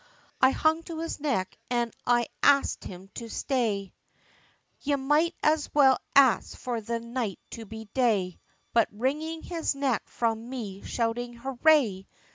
I hung to his neck, an' I axed him to stay, Ye might as well ax for the night to be day; But wringin' his neck from me, shoutin' "Hooray!"